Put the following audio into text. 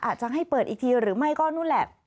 อาจจะให้เปิดอีกทีหรือไม่ก็นู่นแหละ